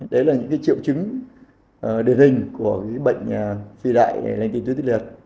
đấy là những cái triệu chứng điển hình của cái bệnh phi đại lành tính tuyến tiền liệt